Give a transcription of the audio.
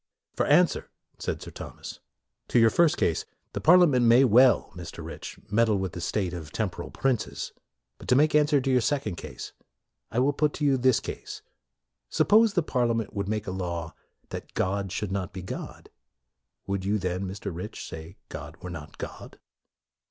'" For answer,' 1 said Sir Thomas, " to your first case, the Parliament may well, Mr. Rich, meddle with the state of tem poral princes; but to make answer to your second case, I will put you this case: Suppose the Parliament would make a law, that God should not be God, would you then, Mr. Rich, say God were not God?"